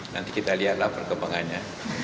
nanti kita lihatlah perkembangannya